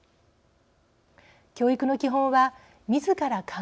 教育の基本はみずから考え